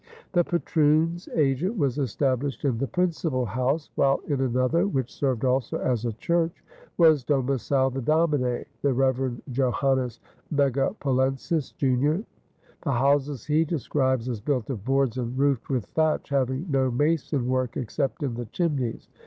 The patroon's agent was established in the principal house, while in another, which served also as a church, was domiciled the domine, the Reverend Johannes Megapolensis, Jr. The houses he describes as built of boards and roofed with thatch, having no mason work except in the chimneys.